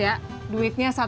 ini alamat yang mesternya